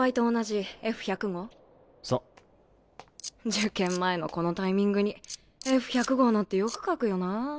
受験前のこのタイミングにＦ１００号なんてよく描くよな。